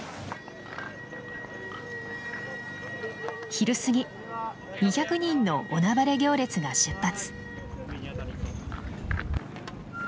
昼過ぎ２００人のおなばれ行列が出発。